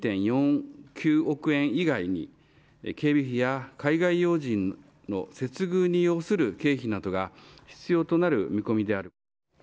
２．４９億円以外に、警備費や海外要人の接遇に要する経費などが必要となる見込みである。